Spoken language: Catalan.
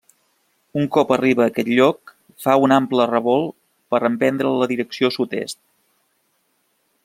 Un cop arriba a aquest lloc fa un ample revolt per emprendre la direcció sud-est.